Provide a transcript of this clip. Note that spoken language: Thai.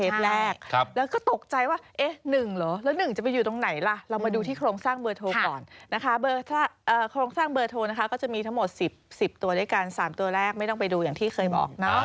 มีทั้งหมด๑๐ตัวด้วยกัน๓ตัวแรกไม่ต้องไปดูอย่างที่เคยบอก